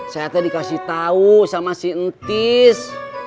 sehatnya dikasih tahu sama si entis